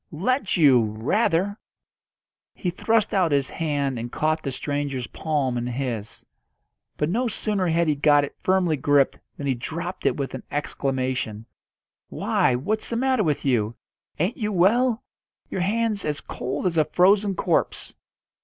"Let you! rather!" He thrust out his hand and caught the stranger's palm in his. But no sooner had he got it firmly gripped than he dropped it with an exclamation: "Why, what's the matter with you? Ain't you well? Your hand's as cold as a frozen corpse."